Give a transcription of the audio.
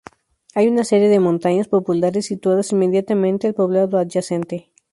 Hay una serie de montañas populares situadas inmediatamente al poblado adyacente.